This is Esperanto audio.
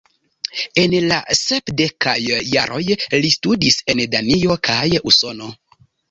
En la sepdekaj jaroj, li studis en Danio kaj Usono.